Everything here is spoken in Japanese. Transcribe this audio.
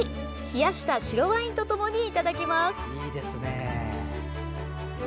冷やした白ワインとともにいただきます。